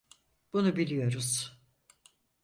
Bunu biliyoruz.